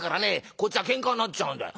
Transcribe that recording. こっちはケンカになっちゃうんだよ。